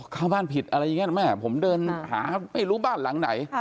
เข้าบ้านผิดอะไรอย่างนี้แม่ผมเดินหาไม่รู้บ้านหลังไหน